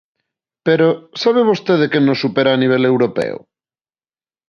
Pero ¿sabe vostede quen nos supera a nivel europeo?